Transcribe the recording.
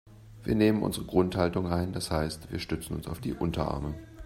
Wir nehmen unsere Grundhaltung ein, das heißt wir stützen uns auf die Unterarme.